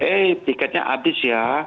eh tiketnya habis ya